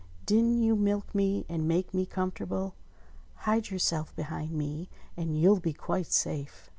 "Didn't you milk me and make me comfortable .? Hide yourself behind me and you'll be quite safe."